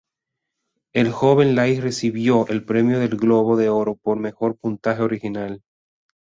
El joven Lai recibió el premio del Globo de Oro por "Mejor puntaje original".